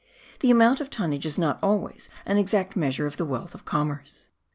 The amount of tonnage is not always an exact measure of the wealth of commerce.